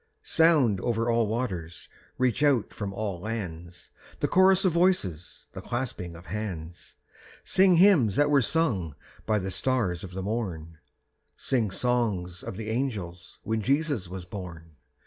Sound over all waters, reach out from all lands, The chorus of voices, the clasping of hands; Sing hymns that were sung by the stars of the morn, Sing songs of the angels when Jesus was born!